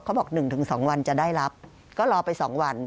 เขาบอก๑๒วันจะได้รับก็รอไป๒วัน